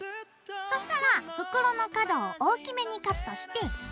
そしたら袋の角を大きめにカットして。